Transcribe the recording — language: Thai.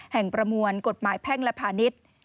แห่งประมวลกฎหมายแภกลภาณิชย์